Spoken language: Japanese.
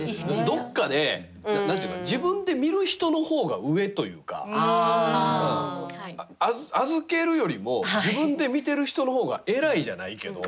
どっかで自分で見る人の方が上というか預けるよりも自分で見てる人の方が偉いじゃないけど。